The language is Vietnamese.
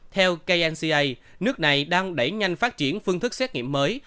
theo kca nước này đang đẩy nhanh phát triển phương thức xét nghiệm mới